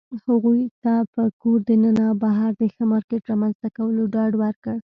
هغوى ته په کور دننه او بهر د ښه مارکيټ رامنځته کولو ډاډ ورکړى